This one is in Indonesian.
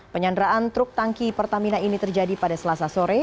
penyanderaan truk tangki pertamina ini terjadi pada selasa sore